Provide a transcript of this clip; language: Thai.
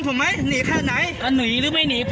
พี่โดอดโจร